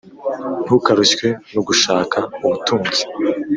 ntukarushywe no gushaka ubutunzi